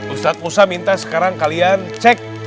ustadz musa minta sekarang kalian cek